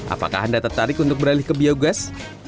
apakah anda tertarik untuk beralih ke biogas